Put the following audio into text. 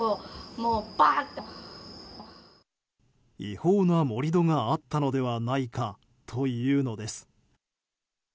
違法な盛り土があったのではないかというのです。